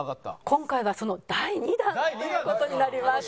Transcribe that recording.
今回はその第２弾という事になります。